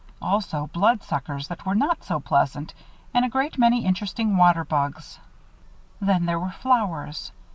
Also bloodsuckers that were not so pleasant and a great many interesting water bugs. Then there were flowers.